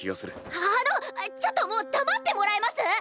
ああのちょっともう黙ってもらえます⁉